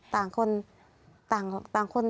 ต่างคนต่างคน